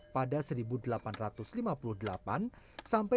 pada seribu delapan ratus lima puluh delapan sampai seribu delapan ratus tujuh puluh tiga